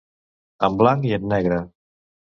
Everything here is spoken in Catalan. En blanc i en negre.